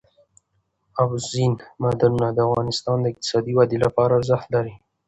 اوبزین معدنونه د افغانستان د اقتصادي ودې لپاره ارزښت لري.